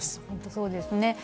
本当、そうですね。